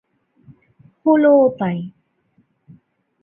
হলোও তাই।